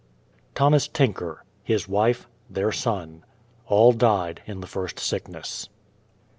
THOMAS TINKER; his wife; their son. All died in the first sickness.